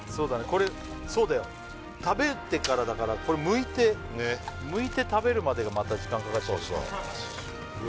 これそうだよ食べてからだからこれむいてむいて食べるまでがまた時間かかっちゃうそうそう